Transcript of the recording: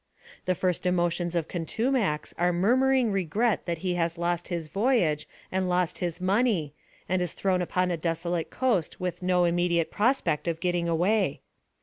The first emotions of Contumax are mur muring regret that he has lost his voyage and lost his money, and is thrown upon a desolate coast with no immediate prospect of getting away.